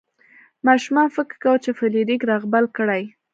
ماشومان فکر کاوه چې فلیریک رغبل کړي.